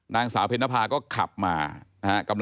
นางสาวเพณภาก็ขับมา